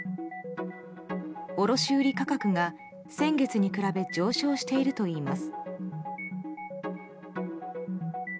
卸売価格が、先月に比べ上昇しているといいます。